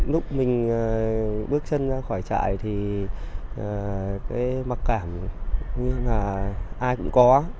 lúc mình bước chân ra khỏi trại thì mặc cảm như là ai cũng có